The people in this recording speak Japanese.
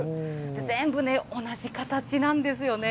全部、同じ形なんですよね。